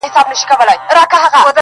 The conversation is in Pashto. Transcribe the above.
پاچاهان یې هم خوري غوښي د خپلوانو!.